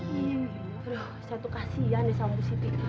aduh saya tuh kasihan deh sama bu siti